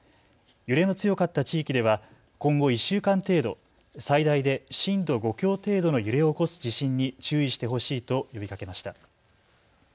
揺れの強かった地域では今後１週間程度、最大で震度５強程度の揺れを起こす地震に注意してほしいと呼びかけました。